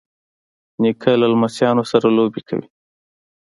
نیکه له لمسیانو سره لوبې کوي.